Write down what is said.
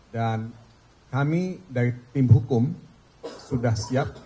dan kami dari tim hukum sudah siap